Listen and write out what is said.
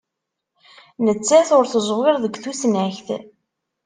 Nettat ur teẓwir deg tusnakt.